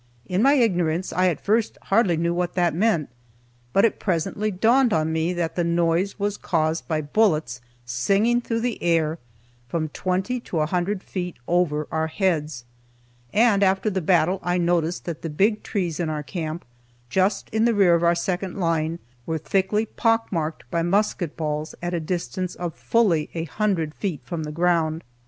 In my ignorance, I at first hardly knew what that meant, but it presently dawned on me that the noise was caused by bullets singing through the air from twenty to a hundred feet over our heads. And after the battle I noticed that the big trees in our camp, just in the rear of our second line, were thickly pock marked by musket balls at a distance of fully a hundred feet from the ground.